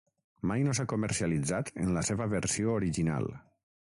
Mai no s'ha comercialitzat en la seva versió original.